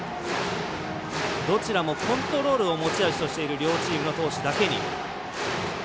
どちらもコントロールを持ち味としている両チームだけに。